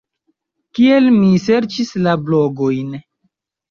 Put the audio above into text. Kiel mi serĉis la blogojn?